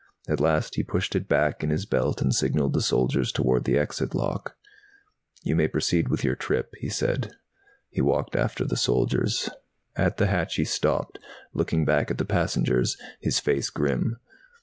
At last he pushed it back in his belt and signalled the soldiers toward the exit lock. "You may proceed on your trip," he said. He walked after the soldiers. At the hatch he stopped, looking back at the passengers, his face grim.